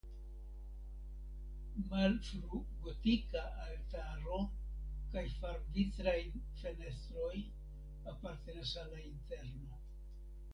Malfrugotika altaro kaj farbvitritaj fenestroj apartenas al la interno.